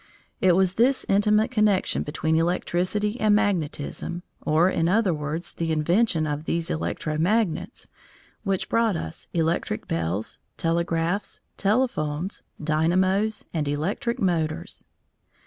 It was this intimate connection between electricity and magnetism, or, in other words, the invention of these electro magnets, which brought us electric bells, telegraphs, telephones, dynamos, and electric motors.